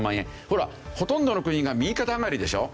ほらほとんどの国が右肩上がりでしょ？